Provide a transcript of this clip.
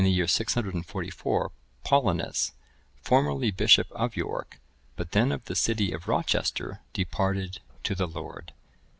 ] In the year 644, Paulinus, formerly bishop of York, but then of the city of Rochester, departed to the Lord.